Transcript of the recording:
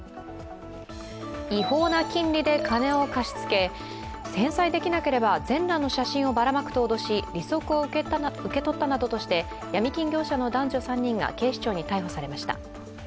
違法な金利で金を貸し付け返済できなければ全裸の写真をばらまくと脅し、利息を受け取ったなどとしてヤミ金業者の男女３人が警視庁に逮捕されました。